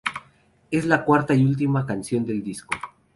Es la cuarta y última canción del disco.